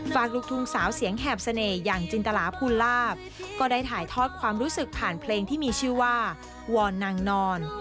ลูกทุ่งสาวเสียงแหบเสน่ห์อย่างจินตลาภูลาภก็ได้ถ่ายทอดความรู้สึกผ่านเพลงที่มีชื่อว่าวอนนางนอน